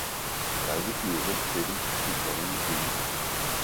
Jeg vil flyve hen til dem, de kongelige fugle!